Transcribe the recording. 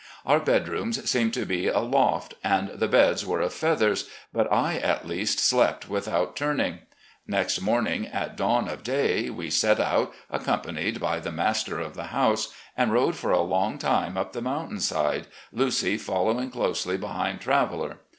Our bedrooms seemed to be a loft, and the beds were of feathers, but I, at least, slept without turning. Next morning, at dawn of day, we set out, accompanied by 272 RECOLLECTIONS OF GENERAL LEE the master of the house, and rode for a long time up the mountain ^de, Lucy following closely behind Traveller.